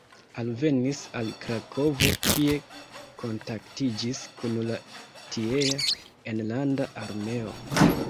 Alvenis al Krakovo, kie kontaktiĝis kun la tiea Enlanda Armeo.